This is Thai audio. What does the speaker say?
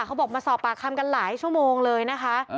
เขาบอกมาสอบปากคำกันหลายชั่วโมงเลยนะคะ